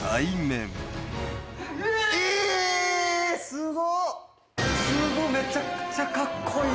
すごい！